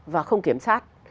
và không kiểm soát